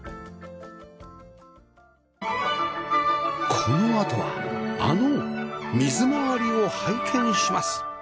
このあとはあの水回りを拝見します